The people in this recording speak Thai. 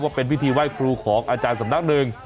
เป็นพิธีไหว้ครูของอาจารย์สำนักหนึ่ง